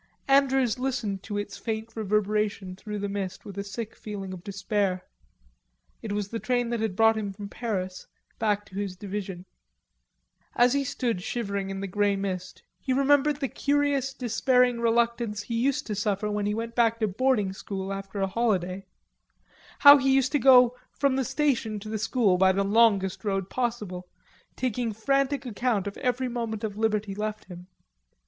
Andrews listened to its faint reverberation through the mist with a sick feeling of despair. It was the train that had brought him from Paris back to his division. As he stood shivering in the grey mist he remembered the curious despairing reluctance he used to suffer when he went back to boarding school after a holiday. How he used to go from the station to the school by the longest road possible, taking frantic account of every moment of liberty left him.